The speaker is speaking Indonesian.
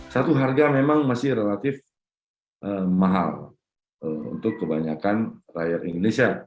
satu harga memang masih relatif mahal untuk kebanyakan rakyat indonesia